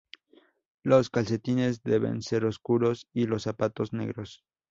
Los calcetines deben ser oscuros y los zapatos negros.